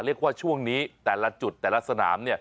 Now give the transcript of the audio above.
เรียกว่าช่วงนี้แต่ละจุดแต่ละสนาม